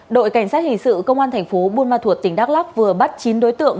đội cảnh sát hình sự công an thành phố buôn ma thuột tỉnh đắk lắc vừa bắt chín đối tượng